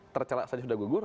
tercelak saja sudah gugur